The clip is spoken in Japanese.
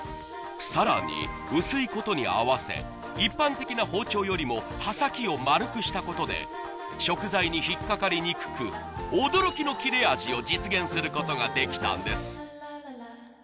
さらに薄いことに合わせ一般的な包丁よりも刃先を丸くしたことで食材に引っかかりにくく驚きの切れ味を実現することができたんです